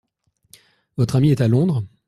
Votre ami est à Londres ?